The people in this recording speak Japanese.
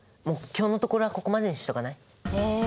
もう今日のところはここまでにしとかない？え？